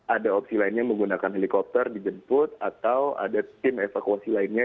ada opsi lainnya menggunakan helikopter dijemput atau ada tim evakuasi lainnya